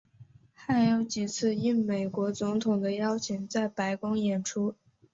还有几次应美国总统的邀请在白宫演出。